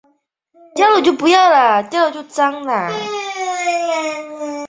后来他为了逃避瘟疫而离开了高加索附近的故乡。